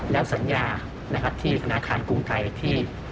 และสัญญาที่ธนาคารกุ้งไทยที่